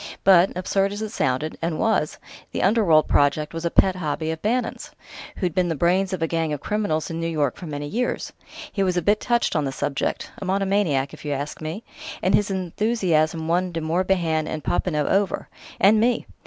But, absurd as it sounded and was the 'Underworld' project was a pet hobby of Bannon's who'd been the brains of a gang of criminals in New York for many years. He was a bit touched on the subject: a monomaniac, if you ask me. And his enthusiasm won De Morbihan and Popinot over ... and me!